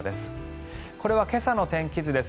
これは今朝の天気図です。